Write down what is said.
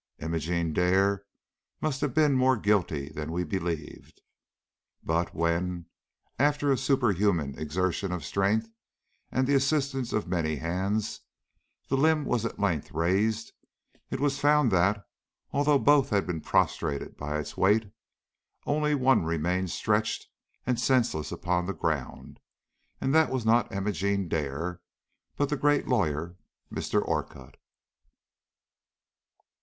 Imogene Dare must have been more guilty than we believed." But when, after a superhuman exertion of strength, and the assistance of many hands, the limb was at length raised, it was found that, although both had been prostrated by its weight, only one remained stretched and senseless upon the ground, and that was not Imogene Dare, but the great lawyer, Mr. Orcutt.